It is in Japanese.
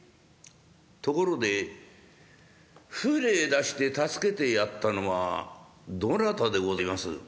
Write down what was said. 「ところで舟出して助けてやったのはどなたでございます？」。